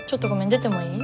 出てもいい？